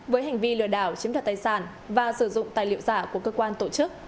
với hành vi lừa đảo chiếm đoạt tài sản và sử dụng tài liệu giả của cơ quan tổ chức